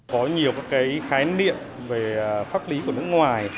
có nhiều các cái khái niệm về pháp lý của nước ngoài